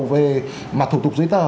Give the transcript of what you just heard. về mà thủ tục giấy tờ